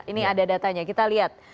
ini ada datanya kita lihat